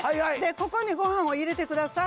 ここにご飯を入れてください